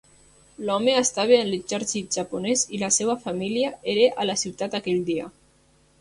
L'home estava en l'exèrcit japonès i la seua família era a la ciutat aquell dia.